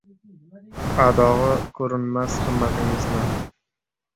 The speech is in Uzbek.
Adogi kurinmas ximmatingizni